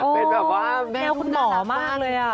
เป็นแบบว่าแม่รู้น่ารักมากเลย